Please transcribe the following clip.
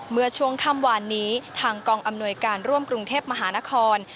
เมื่อช่วงค่ำวานนี้ทางกองอำนวยการร่วมกรุงเทพมหานคร